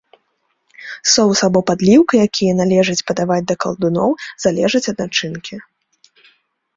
Соус або падліўка, якія належыць падаваць да калдуноў, залежаць ад начынкі.